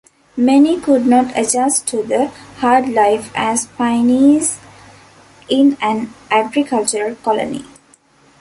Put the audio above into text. Many could not adjust to the hard life as pioneers in an agricultural colony.